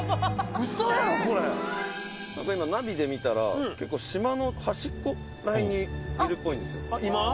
「今ナビで見たら結構島の端っこら辺にいるっぽいんですよ」